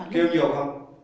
kêu nhiều không